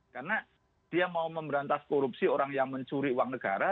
karena dia mau memberantas korupsi orang yang mencuri uang negara